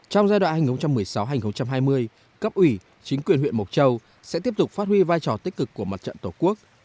trong giai đoạn hai nghìn một mươi sáu hai nghìn hai mươi cấp ủy chính quyền huyện mộc châu sẽ tiếp tục phát huy vai trò tích cực của mặt trận tổ quốc